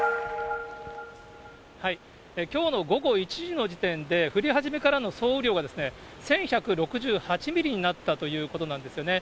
きょうの午後１時の時点で、降り始めからの総雨量が１１６８ミリになったということなんですよね。